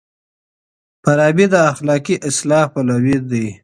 فارابي د اخلاقي اصلاح پلوی دی.